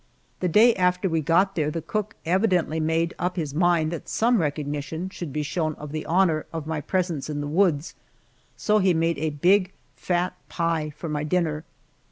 The day after we got there the cook evidently made up his mind that some recognition should be shown of the honor of my presence in the woods, so he made a big fat pie for my dinner.